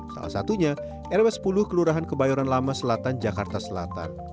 salah satunya rw sepuluh kelurahan kebayoran lama selatan jakarta selatan